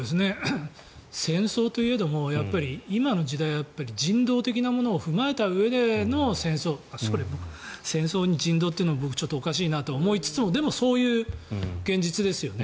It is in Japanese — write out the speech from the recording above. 戦争といえども今の時代は人道的なものを踏まえたうえでの戦争戦争に人道というものは僕はおかしいなと思いつつもでも、そういう現実ですよね。